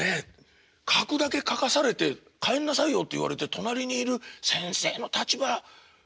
描くだけ描かされて帰んなさいよって言われて隣にいる先生の立場はないよね。